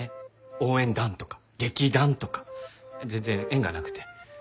応援団とか劇団とか全然縁がなくて。